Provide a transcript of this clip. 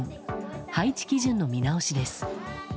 配置基準の見直しです。